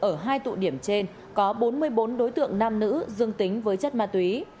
ở hai tụ điểm trên có bốn mươi bốn đối tượng nam nữ dương tính với chất ma túy